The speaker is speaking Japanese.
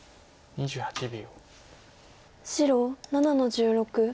２８秒。